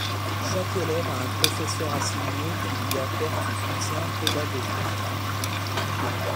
Chaque élève a un professeur assigné qui lui apporte son soutien pédagogique.